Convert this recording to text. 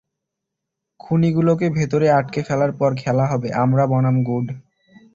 খুনি গুলোকে ভেতরে আটকে ফেলার পর, খেলা হবে আমরা বনাম গুড।